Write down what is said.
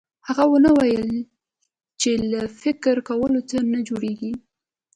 هغه ونه ويل چې له فکر کولو څه نه جوړېږي.